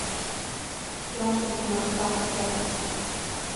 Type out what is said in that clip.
Иашаӡам ас аҟаҵара!